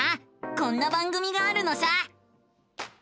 こんな番組があるのさ！